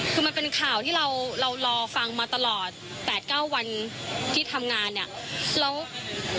คือมันเป็นข่าวที่เราเรารอฟังมาตลอด๘๙วันที่ทำงานเนี่ยแล้ว